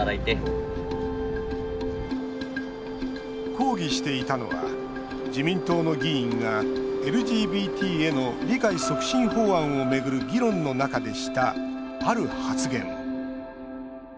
抗議していたのは自民党の議員がＬＧＢＴへの理解促進法案を巡る議論の中でした、ある発言。